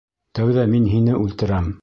Тәүҙә мин һине үлтерәм!